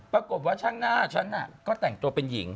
ปรากฏว่าชั่งหน้าฉันน่ะก็แต่งตัวเป็นหญิง